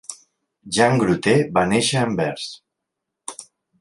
Jan Gruter va néixer a Anvers.